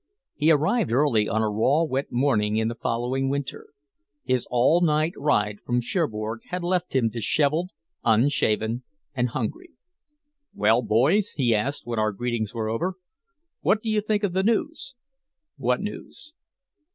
He arrived early on a raw, wet morning in the following winter. His all night ride from Cherbourg had left him disheveled, unshaven and hungry. "Well, boys," he asked when our greetings were over, "what do you think of the news?" "What news?"